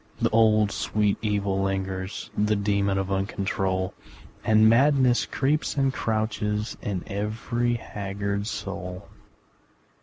The old, sweet evil lingers, The demon of uncontrol, And madness creeps and crouches In every haggard soul.